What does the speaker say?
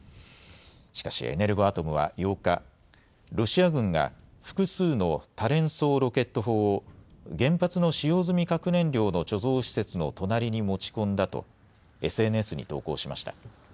しかしエネルゴアトムは８日、ロシア軍が複数の多連装ロケット砲を原発の使用済み核燃料の貯蔵施設の隣に持ち込んだとＳＮＳに投稿しました。